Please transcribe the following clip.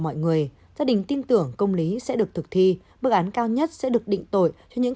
mọi người gia đình tin tưởng công lý sẽ được thực thi mức án cao nhất sẽ được định tội cho những